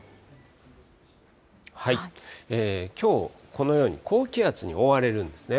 きょう、このように高気圧に覆われるんですね。